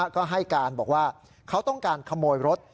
ก็ให้การบอกว่าเขาต้องการขโมยรถ